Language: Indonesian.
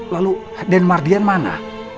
lalu dan mardian mana